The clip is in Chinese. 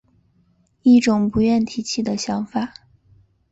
一种不愿提起的想法